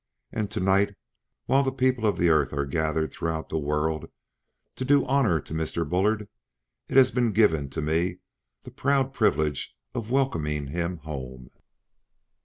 And to night, while the peoples of Earth are gathered throughout the world to do honor to Mr. Bullard, it has been given to me the proud privilege of welcoming him home."